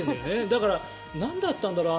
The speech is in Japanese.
だから、なんだったんだろう